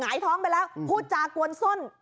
หายท้องไปแล้วพูดจากวนส้น